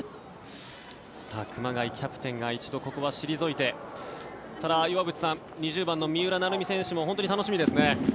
熊谷、キャプテンがここは一度退いてただ、岩渕さん２０番の三浦成美選手も本当に楽しみですね。